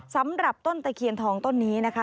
สำหรับต้นตะเคียนทองต้นนี้นะคะ